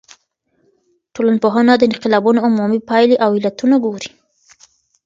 ټولنپوه د انقلابونو عمومي پايلي او علتونه ګوري.